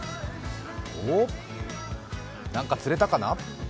おっ、何か釣れたかな？